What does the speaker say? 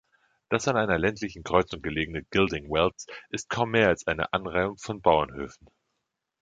Das an einer ländlichen Kreuzung gelegene Gildingwells ist kaum mehr als eine Anreihung von Bauernhöfen.